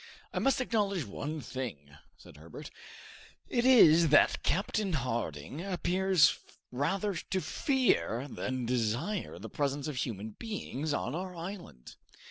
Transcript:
"I must acknowledge one thing," said Herbert, "it is that Captain Harding appears rather to fear than desire the presence of human beings on our island."